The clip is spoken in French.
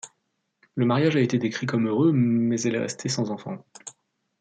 Le mariage a été décrit comme heureux, mais elle est restée sans enfant.